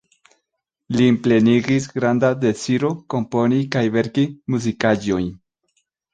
Lin plenigis granda deziro komponi kaj verki muzikaĵojn.